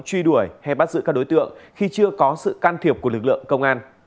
truy đuổi hay bắt giữ các đối tượng khi chưa có sự can thiệp của lực lượng công an